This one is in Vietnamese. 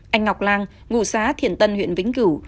anh ngọc lan ngụ xã thiện tân huyện vĩnh cửu